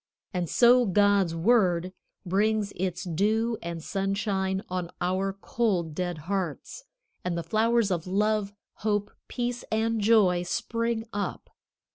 And so God's Word brings its dew and sunshine on our cold, dead hearts, and the flowers of love, hope, peace and joy spring up.